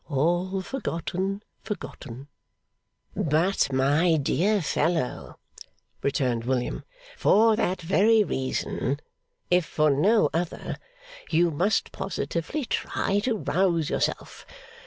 All forgotten, forgotten!' 'But, my dear fellow,' returned William, 'for that very reason, if for no other, you must positively try to rouse yourself.